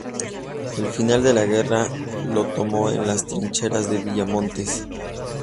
El final de la guerra lo tomó en las trincheras de Villa Montes.